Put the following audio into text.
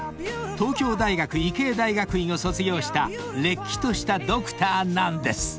［東京大学医系大学院を卒業したれっきとしたドクターなんです］